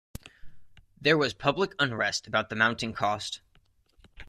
There was public unrest about the mounting cost.